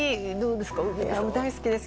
大好きです。